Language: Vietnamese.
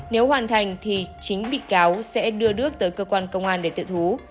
nếu hoàn thành thì chính bị cáo sẽ đưa đức tới cơ quan công an để tự thú